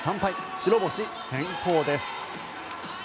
白星先行です。